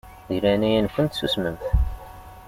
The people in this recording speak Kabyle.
Di leɛnaya-nkent susmemt.